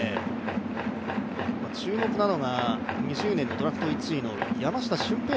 注目なのが２０年ドラフト１位の山下舜平